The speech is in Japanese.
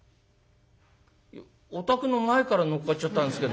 「お宅の前から乗っかっちゃったんですけども」。